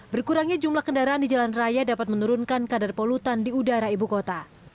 berkurangnya jumlah kendaraan di jalan raya dapat menurunkan kadar polutan di udara ibu kota